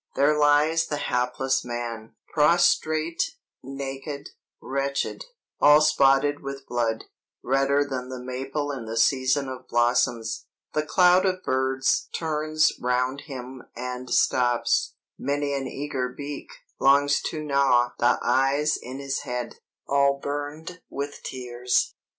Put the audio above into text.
"There lies the hapless man, prostrate, naked, wretched, all spotted with blood, redder than the maple in the season of blossoms. The cloud of birds turns round him and stops; many an eager beak longs to gnaw the eyes in his head, all burned with tears.